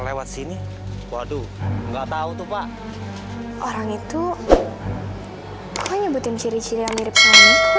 lewat sini waduh nggak tahu tuh pak orang itu pokoknya nyebutin ciri ciri yang mirip semua